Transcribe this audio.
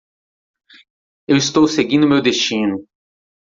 Eu estou seguindo meu destino.